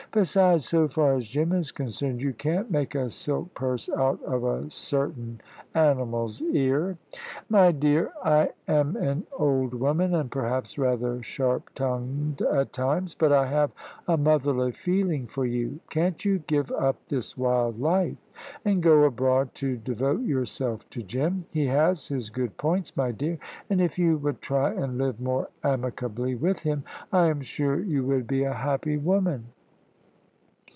Besides, so far as Jim is concerned, you can't make a silk purse out of a certain animal's ear." "My dear, I am an old woman, and perhaps rather sharp tongued at times, but I have a motherly feeling for you. Can't you give up this wild life, and go abroad to devote yourself to Jim? He has his good points, my dear, and if you would try and live more amicably with him, I am sure you would be a happy woman.